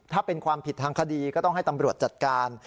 ถ้าเป็นความผิดทางคดีก็ต้องให้ตำรวจจัดการ